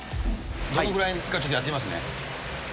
どのぐらいか、ちょっとやってみますね。